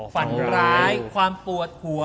ฝันร้ายความปวดหัว